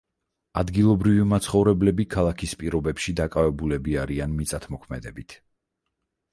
ადგილობრივი მაცხოვრებლები ქალაქის პირობებში დაკავებულები არიან მიწათმოქმედებით.